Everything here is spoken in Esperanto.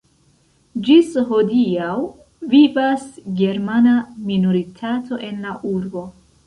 Ĝis hodiaŭ vivas germana minoritato en la urbo.